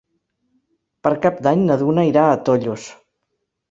Per Cap d'Any na Duna irà a Tollos.